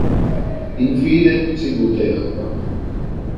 Infine, si butta in acqua.